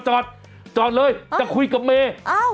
จอดเลยจะคุยกับเมย์เอ้า